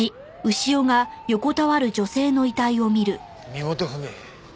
身元不明？